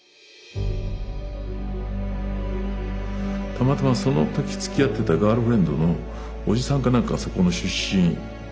たまたまその時つきあってたガールフレンドのおじさんか何かがそこの出身だった。